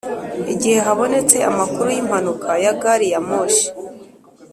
igihe habonetse amakuru y’impanuka ya gari ya moshi